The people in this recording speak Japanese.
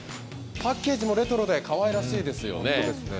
パッケージもレトロでかわいらしいです。